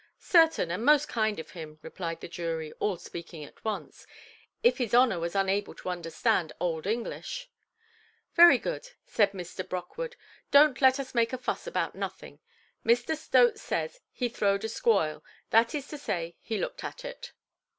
"Certain, and most kind of him", replied the jury, all speaking at once, "if his honour was unable to understand old English". "Very good", said Mr. Brockwood; "donʼt let us make a fuss about nothing. Mr. Stote says he 'throwed a squoyle;' that is to say, he looked at it".